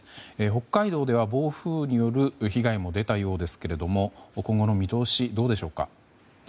北海道では暴風雨による被害も出たようですけども今後の見通しはどうでしょうか。